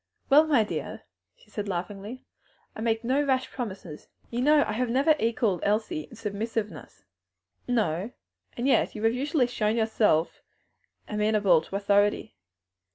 "Well, my dear," she said laughingly, "I make no rash promises. You know I never have equalled Elsie in submissiveness." "No; and yet you have usually shown yourself amenable to authority."